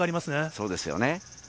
そうですよね。